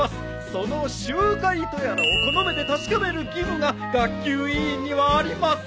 その集会とやらをこの目で確かめる義務が学級委員にはあります。